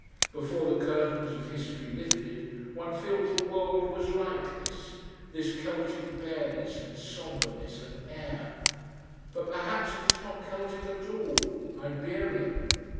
Before the curtains of history lifted, one feels the world was like this this Celtic bareness and sombreness and air. But perhaps it is not Celtic at all: Iberian.